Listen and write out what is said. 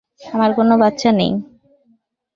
আমার কোনো বাচ্চা নেই।